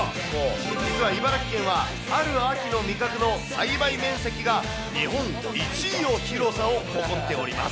実は茨城県は、ある秋の味覚の栽培面積が日本１位の広さを誇っております。